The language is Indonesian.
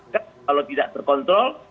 kalau tidak terkontrol